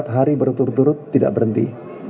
empat hari berturut turut tidak berhenti